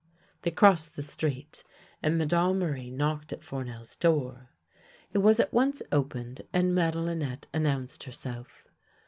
They crossed the street, and Madame Marie knocked at Fournel's door. It was at once opened, and Made linette announced herself.